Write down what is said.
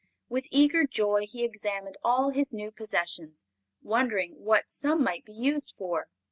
With eager joy he examined all his new possessions, wondering what some might be used for.